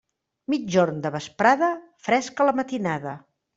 Migjorn de vesprada, fresca a la matinada.